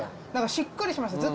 何かしっくりします。